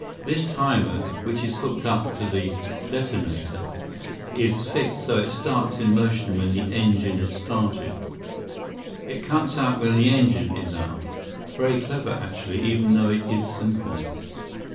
"This timer, which is hooked up to the detonator, is fixed so it starts in motion when the engine is started. It cuts out when the engine is out. Very clever, actually, even though it is simple."